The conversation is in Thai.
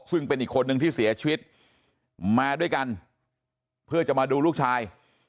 ซึ่งเป็นอีกคนนึงที่เสียชีวิตมาด้วยกันเพื่อจะมาดูลูกชาย